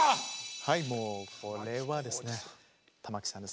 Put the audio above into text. はいもうこれはですね玉置さんです。